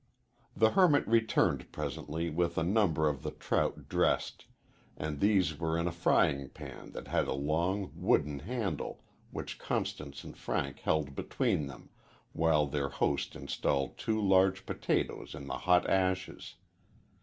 The hermit returned presently with a number of the trout dressed, and these were in a frying pan that had a long wooden handle, which Constance and Frank held between them, while their host installed two large potatoes in the hot ashes.